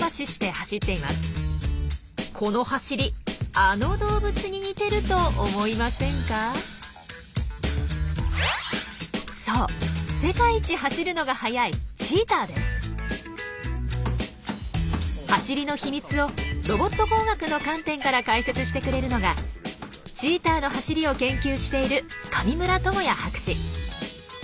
走りの秘密をロボット工学の観点から解説してくれるのがチーターの走りを研究している上村知也博士。